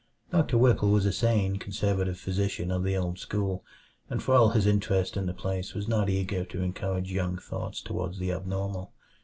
Doctor Whipple was a sane, conservative physician of the old school, and for all his interest in the place was not eager to encourage young thoughts toward the abnormal.